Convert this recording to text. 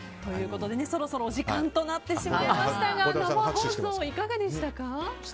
そろそろお時間となってしまいましたが生放送はいかがでしたか？